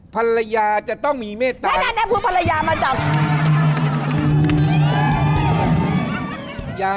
ภรรยาจะต้องมีเมตตาแน่พูดภรรยามักจาก